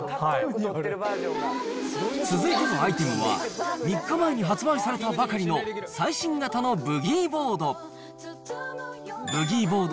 続いてのアイテムは、３日前に発売されたばかりの最新型のブギーボード。